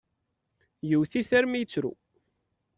Yewwet-it armi i yettru.